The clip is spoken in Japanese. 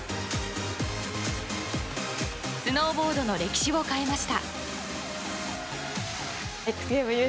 スノーボードの歴史を変えました。